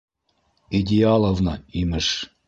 «Идеаловна!», имеш!